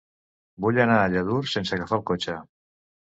Vull anar a Lladurs sense agafar el cotxe.